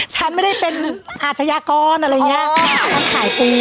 ฉันไม่ได้เป็นอาชญากรอะไรอย่างนี้ฉันขายฟรี